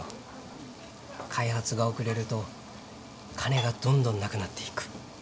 開発が遅れると金がどんどんなくなっていく。